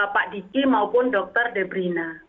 pak diki maupun dr debrina